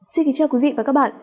xin kính chào quý vị và các bạn